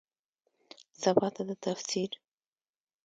سباته ده تفسیر